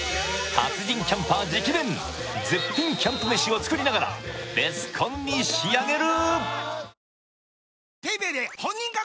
達人キャンパー直伝絶品キャンプ飯を作りながらベスコンに仕上げる！